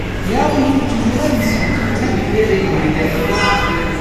The album features eleven songs, with ten being penned by Hayes.